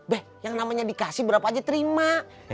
beh yang namanya dikasih berapa aja terima